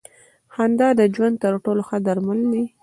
خندا د ژوند تر ټولو ښه درمل دی.